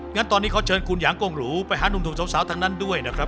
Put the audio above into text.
งั้นตอนนี้เขาเชิญคุณหยางกงหรูไปหานุ่มสาวทั้งนั้นด้วยนะครับ